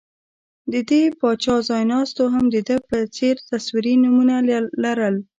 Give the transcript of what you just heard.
د دې پاچا ځایناستو هم د ده په څېر تصویري نومونه لرل